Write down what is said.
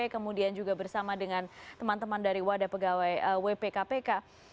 kemudian juga bersama dengan teman teman dari wadah pegawai wp kpk